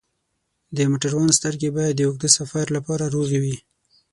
د موټروان سترګې باید د اوږده سفر لپاره روغې وي.